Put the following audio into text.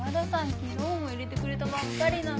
昨日も入れてくれたばっかりなのに。